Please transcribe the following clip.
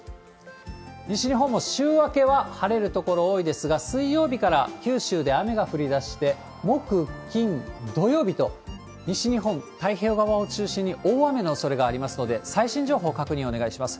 西日本も週明けは晴れる所多いですが、水曜日から九州で雨が降りだして、木、金、土曜日と、西日本、太平洋側を中心に大雨のおそれがありますので、最新情報確認お願いします。